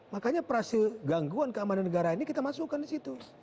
makanya prase gangguan keamanan negara ini kita masukkan di situ